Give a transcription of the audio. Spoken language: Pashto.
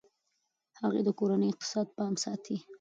هغې د کورني اقتصاد پام ساتي.